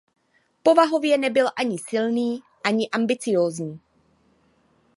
Povahově nebyl ani silný ani ambiciózní.